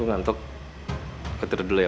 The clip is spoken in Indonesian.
lu ngantuk ketir dulu ya ma